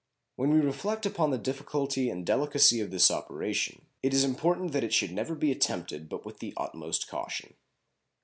When we reflect upon the difficulty and delicacy of this operation, it is important that it should never be attempted but with the utmost caution.